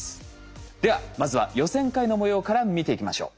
ではまずは予選会の模様から見ていきましょう。